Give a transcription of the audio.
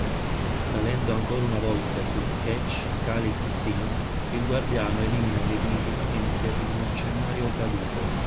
Salendo ancora una volta sul Ketch Kaliks-Syn, il Guardiano elimina definitivamente il mercenario Caduto.